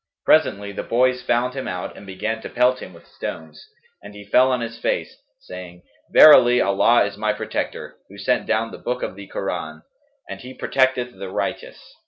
Presently the boys found him out and began to pelt him with stones; and he fell on his face, saying, 'Verily, Allah is my protector, who sent down the Book of the Koran; and He protecteth the Righteous!